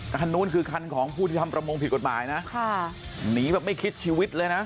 คันนู้นคือคันของผู้ที่ทำประมงผิดกฎหมายนะค่ะหนีแบบไม่คิดชีวิตเลยนะ